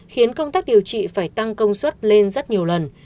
khiến công tác điều trị phải tăng công suất lên rất nhiều lần